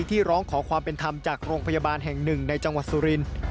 ร้องขอความเป็นธรรมจากโรงพยาบาลแห่งหนึ่งในจังหวัดสุรินทร์